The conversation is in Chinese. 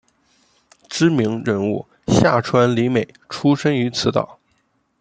知名人物夏川里美出身于此岛。